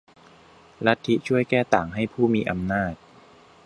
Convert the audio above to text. ลัทธิช่วยแก้ต่างให้ผู้มีอำนาจ